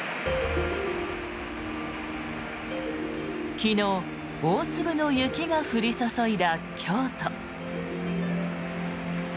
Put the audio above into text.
昨日、大粒の雪が降り注いだ京都。